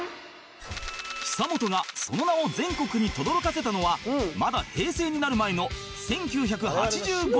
久本がその名を全国にとどろかせたのはまだ平成になる前の